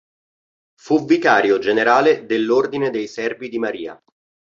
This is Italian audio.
Fu Vicario generale dell'Ordine dei Servi di Maria.